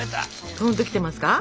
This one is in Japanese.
とんときてますか？